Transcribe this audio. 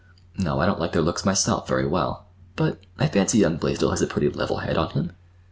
"No, I don't like their looks myself very well, but—I fancy young Blaisdell has a pretty level head on him.